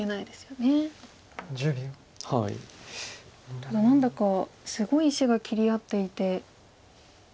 ただ何だかすごい石が切り合っていて。